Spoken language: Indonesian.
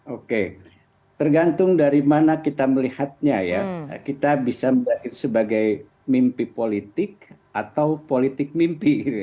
oke tergantung dari mana kita melihatnya ya kita bisa melihat itu sebagai mimpi politik atau politik mimpi